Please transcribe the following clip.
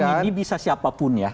nanti orang ini bisa siapapun ya